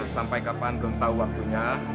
sampai kapan belum tahu waktunya